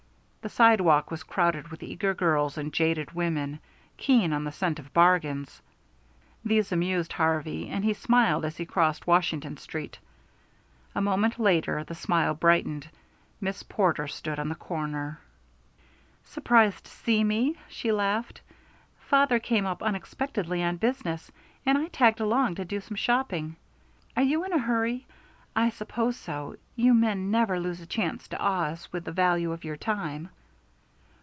The sidewalk was crowded with eager girls and jaded women, keen on the scent of bargains. These amused Harvey, and he smiled as he crossed Washington Street. A moment later the smile brightened. Miss Porter stood on the corner. "Surprised to see me?" she laughed. "Father came up unexpectedly on business, and I tagged along to do some shopping. Are you in a hurry? I suppose so. You men never lose a chance to awe us with the value of your time."